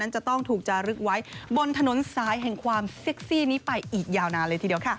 จะต้องถูกจารึกไว้บนถนนสายแห่งความเซ็กซี่นี้ไปอีกยาวนานเลยทีเดียวค่ะ